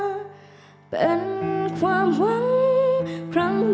ก็จะเป็นความหวังครั้งใหม่